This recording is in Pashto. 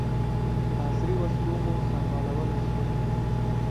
په عصري وسلو مو سمبالولای سوای.